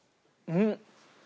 うん。